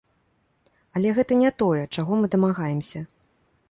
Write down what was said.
Але гэта не тое, чаго мы дамагаемся.